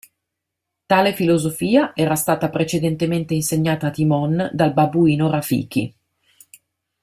Tale filosofia era stata precedentemente insegnata a Timon dal babbuino Rafiki.